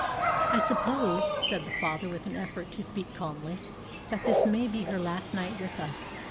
"I suppose," said the father, with an effort to speak calmly, "that this may be her last night with us."